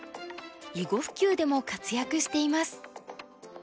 囲碁普及でも活躍しています。